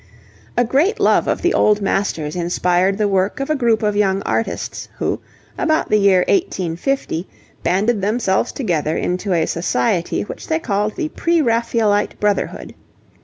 A great love of the Old Masters inspired the work of a group of young artists, who, about the year 1850, banded themselves together into a society which they called the Pre Raphaelite Brotherhood.